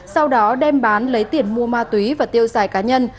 sau đó đem bán lấy tiền mua ma túy và tiêu xài cá nhân